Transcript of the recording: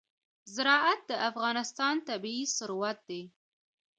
زراعت د افغانستان طبعي ثروت دی.